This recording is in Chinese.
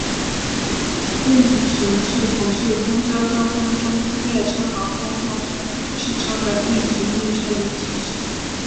运行系统是公共交通中列车和公共汽车的运行路线的体系。